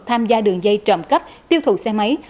tham gia đường dây trộm cắp tiêu thụ xe máy